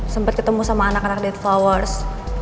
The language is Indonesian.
sempet ketemu sama anak anak deadflowers